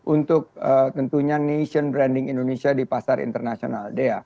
untuk tentunya nation branding indonesia di pasar internasional